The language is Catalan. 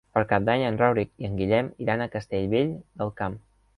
Per Cap d'Any en Rauric i en Guillem iran a Castellvell del Camp.